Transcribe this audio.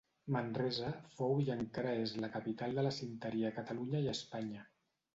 Manresa fou i encara és la capital de la cinteria a Catalunya i Espanya.